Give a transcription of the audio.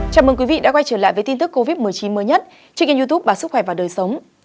chào mừng quý vị đã quay trở lại với tin tức covid một mươi chín mới nhất trên kênh youtube bà sức khỏe và đời sống